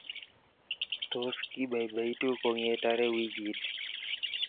Tos, kibaibaitu kongetare weekit?